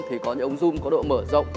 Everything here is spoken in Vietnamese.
thì có những ống zoom có độ mở rộng